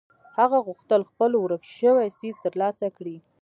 هغه غوښتل خپل ورک شوی څيز تر لاسه کړي.